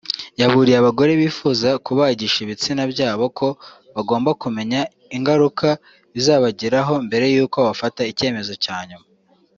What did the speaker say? yaburiye abagore bifuza kubagisha ibitsina byabo ko bagomba kumenya ingaruka bizabagiraho mbere y’uko bafata icyemezo cya nyuma